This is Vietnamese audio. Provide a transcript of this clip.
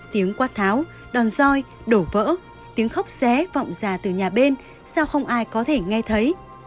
tiếng quát tháo đòn roi đổ vỡ tiếng khóc xé vọng già từ nhà bên sao không ai có thể nghe thấy